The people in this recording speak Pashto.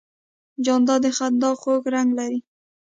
جانداد د خندا خوږ رنګ لري.